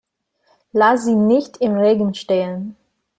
Lass sie nicht im Regen stehen!